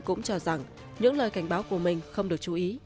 cũng cho rằng những lời cảnh báo của mình không được chú ý